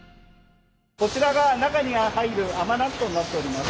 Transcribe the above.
こちらが中に入る甘納豆になっております。